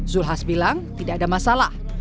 zulhas bilang tidak ada masalah